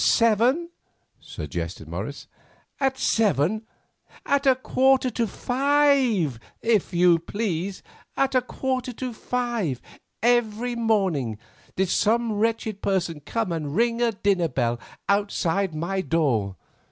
"Seven," suggested Morris. "At seven! At a quarter to five, if you please! At a quarter to five every morning did some wretched person come and ring a dinner bell outside my door.